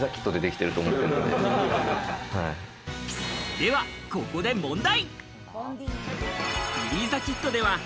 ではここで問題。